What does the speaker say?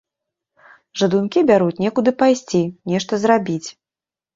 Жадункі бяруць некуды пайсці, нешта зрабіць.